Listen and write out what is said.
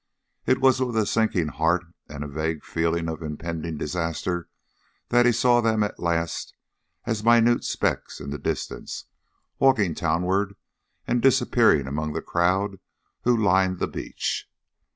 It was with a sinking heart and a vague feeling of impending disaster that he saw them at last as minute specks in the distance, walking townward and disappearing amid the crowd who lined the beach.